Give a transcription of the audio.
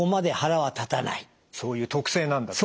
そういう特性なんだと。